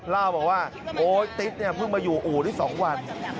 ล่าวบอกว่าติ๊ดเพิ่งมาอยู่อู่ที่๒วัน